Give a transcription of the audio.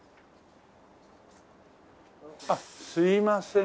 あっすいません。